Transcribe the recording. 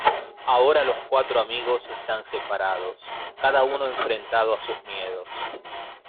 Ahora los cuatro amigos están separados, cada uno enfrentado a sus miedos.